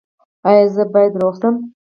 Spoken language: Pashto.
ایا زه باید روغ شم؟